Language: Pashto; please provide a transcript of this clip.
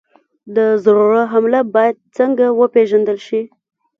د زړه حمله باید څنګه وپېژندل شي؟